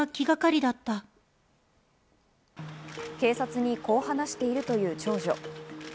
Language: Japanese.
警察にこう話しているという長女。